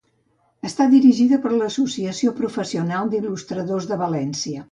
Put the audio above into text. Està dirigida per Associació Professional d'Il·lustradors de València.